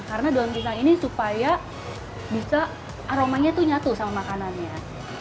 karena daun pisang ini supaya bisa aromanya itu nyatu sama makanannya